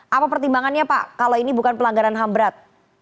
apa pertimbangannya pak kalau ini bukan pelanggaran ham berat